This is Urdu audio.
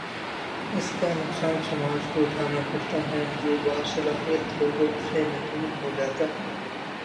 اس کا نقصان سماج کو اٹھا نا پڑتا ہے جو باصلاحیت لوگوں سے محروم ہو جا تا ہے۔